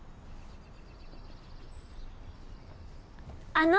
あの。